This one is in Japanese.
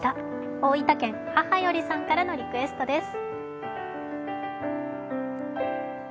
大分県、母よりさんからのリクエストです。